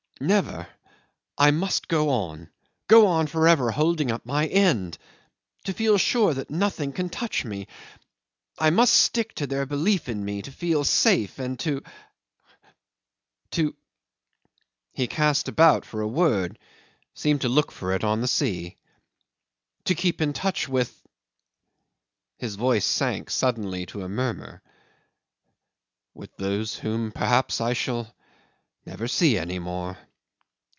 Never. I must go on, go on for ever holding up my end, to feel sure that nothing can touch me. I must stick to their belief in me to feel safe and to to" ... He cast about for a word, seemed to look for it on the sea ... "to keep in touch with" ... His voice sank suddenly to a murmur ... "with those whom, perhaps, I shall never see any more.